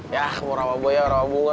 yah mau rawabuaya rawabunga